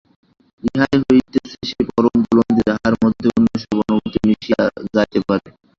ইহাই হইতেছে সেই পরম উপলব্ধি, যাহার মধ্যে অন্য সব অনুভূতি মিশিয়া যাইতে পারে।